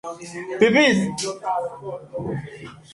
Ha grabado dos álbumes.